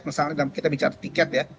misalnya dalam kita bicara tiket ya